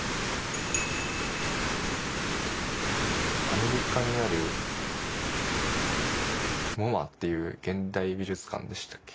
アメリカにある「ＭｏＭＡ」っていう現代美術館でしたっけ？